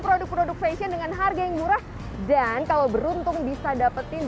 produk produk fashion dengan harga yang murah dan kalau beruntung bisa dapetin